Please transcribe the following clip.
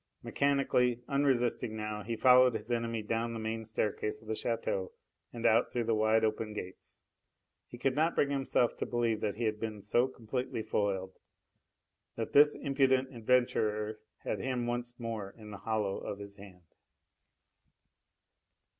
Mechanically, unresisting now, he followed his enemy down the main staircase of the chateau and out through the wide open gates. He could not bring himself to believe that he had been so completely foiled, that this impudent adventurer had him once more in the hollow of his hand.